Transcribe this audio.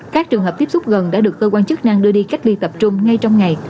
các trường hợp tiếp xúc gần đã được cơ quan chức năng đưa đi cách ly tập trung ngay trong ngày